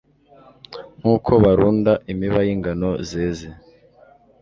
nk'uko barunda imiba y'ingano zeze